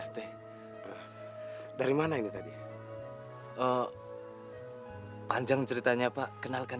terima kasih ya allah